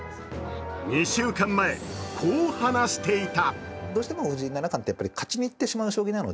２週間前、こう話していた。